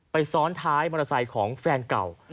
ซ้อนท้ายมอเตอร์ไซค์ของแฟนเก่า